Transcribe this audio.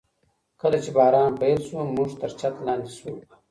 کله چي باران پیل سو، موږ تر چت لاندي سولو.